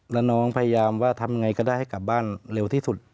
แล้วน้องพยายามว่าทำไงก็ได้ให้กลับบ้านเร็วที่สุด